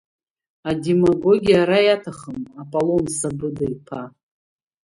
Адемагогиа ара иаҭахым, Аполон Сабыда-иԥа.